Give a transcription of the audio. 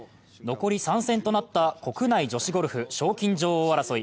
残り３戦となった国内女子ゴルフ賞金女王争い。